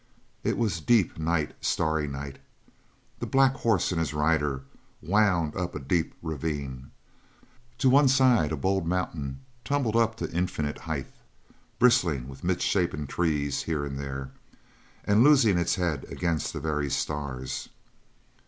It was deep night, starry night. The black horse and his rider wound up a deep ravine. To one side a bold mountain tumbled up to an infinite height, bristling with misshapen trees here and there, and losing its head against the very stars.